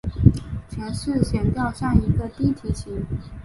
前四弦调像一个低提琴。